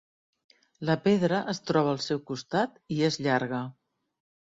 La pedra es troba al seu costat i és llarga.